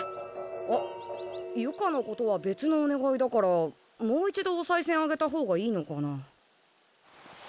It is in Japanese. あっ由香のことは別のお願いだからもう一度おさいせんあげたほうがいいのかな？